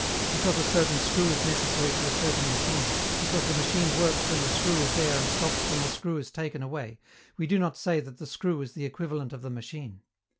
Because a certain screw is necessary to a certain machine, because the machine works when the screw is there and stops when the screw is taken away, we do not say that the screw is the equivalent of the machine.